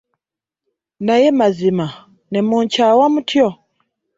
Naye mazima ne munkyawa mutyo!